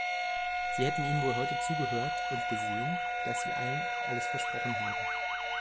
Sie hätten Ihnen wohl heute zugehört und gesehen, dass Sie allen alles versprochen haben.